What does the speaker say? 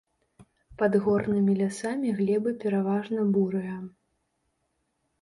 Пад горнымі лясамі глебы пераважна бурыя.